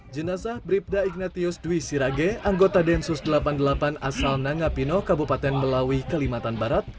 jenazah bribda ignatius dwi sirage anggota densus delapan puluh delapan asal nangapino kabupaten melawi kalimantan barat